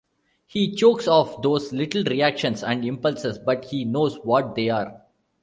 He chokes off those little reactions and impulses, but he knows what they are.